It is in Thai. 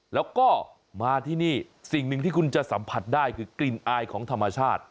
แล้วก็มาที่นี่สิ่งหนึ่งที่คุณจะสัมผัสได้คือกลิ่นอายของธรรมชาติ